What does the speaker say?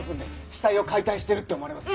死体を解体してるって思われます。